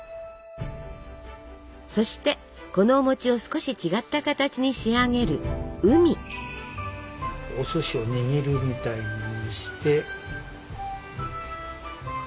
そしてこのお餅を少し違った形に仕上げるお寿司を握るみたいにして。